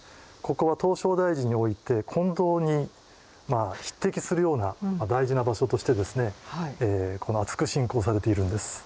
ここは唐招提寺において金堂に匹敵するような大事な場所としてですね厚く信仰されているんです。